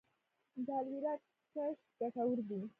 د الوویرا کښت ګټور دی؟